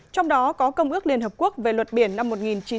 trong đó có công ước liên hợp quốc về luật biển năm một nghìn chín trăm tám mươi hai